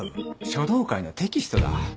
書道会のテキストだ。